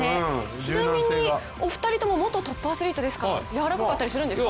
ちなみに、お二人とも元トップアスリートですから、やわらかかったりするんですか？